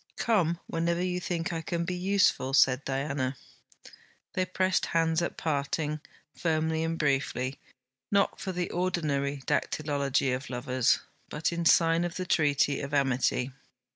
'Come whenever you think I can be useful,' said Diana. They pressed hands at parting, firmly and briefly, not for the ordinary dactylology of lovers, but in sign of the treaty of amity.